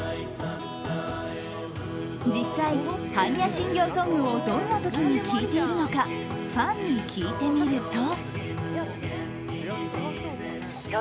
実際、般若心経ソングをどんな時に聴いているのかファンに聞いてみると。